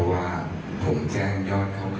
ไม่ว่าจะเป็นจำนวน๒๐ลาตร